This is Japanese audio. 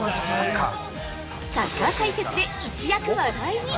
◆サッカー解説で一躍話題に。